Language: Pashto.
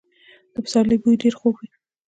د پسرلي بوی ډېر خوږ وي.